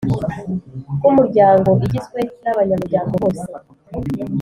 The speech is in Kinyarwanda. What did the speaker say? Rw umuryango igizwe n abanyamuryango bose